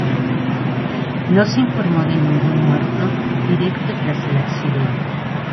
No se informó de ningún muerto directo tras el accidente.